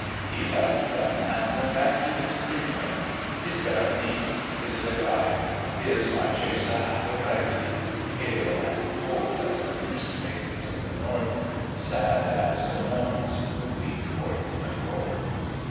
He left them and went back to his dream women, his Berenice, his Ligeia, his Marchesa Aphrodite, pale and cold as the mist maidens of the North, sad as the Norns who weep for human woe.